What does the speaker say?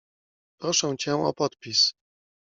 — Proszę cię o podpis.